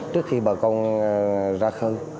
trước khi bà con ra khơi